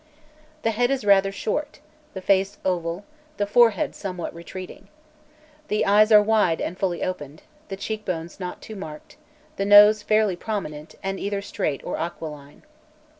The head is rather short, the face oval, the forehead somewhat retreating. The eyes are wide and fully opened, the cheekbones not too marked, the nose fairly prominent, and either straight or aquiline.